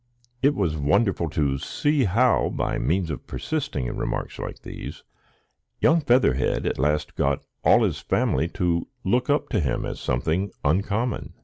It was wonderful to see how, by means of persisting in remarks like these, young Featherhead at last got all his family to look up to him as something uncommon.